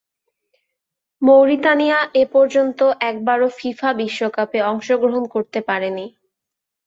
মৌরিতানিয়া এপর্যন্ত একবারও ফিফা বিশ্বকাপে অংশগ্রহণ করতে পারেনি।